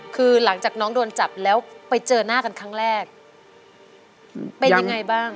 คือหลังจากน้องโดนจับแล้วไปเจอหน้ากันครั้งแรกเป็นยังไงบ้าง